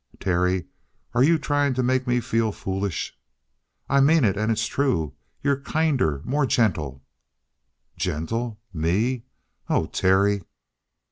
"Terry, are you trying to make me feel foolish?" "I mean it and it's true. You're kinder, more gentle " "Gentle? Me? Oh, Terry!"